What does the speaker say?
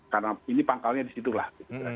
karena ini pangkalnya di situ lah